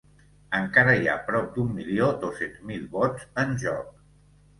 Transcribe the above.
Encara hi ha prop de un milió dos-cents mil vots en joc.